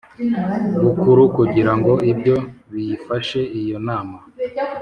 Bukuru kugira ngo ibyo biyifashe iyo nama